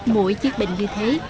mỗi chiếc bình như thế